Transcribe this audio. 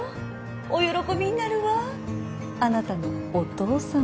お喜びになるわあなたのお父さまも。